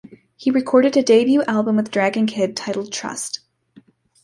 He recorded a debut album with Dragon Kid titled Trust!